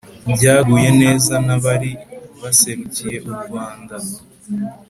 byaguye neza n'abari baserukiye u rwanda.